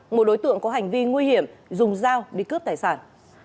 một đối tượng có hành vi nguy hiểm dùng dao đi cướp tài sản